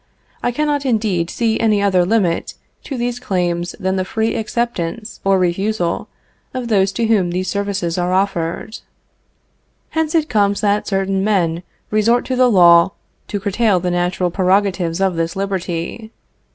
I cannot, indeed, see any other limit to these claims than the free acceptance or free refusal of those to whom these services are offered. Hence it comes that certain men resort to the law to curtail the natural prerogatives of this liberty.